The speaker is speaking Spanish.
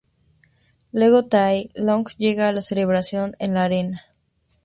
Luego, Tai Long llega a la celebración en la arena.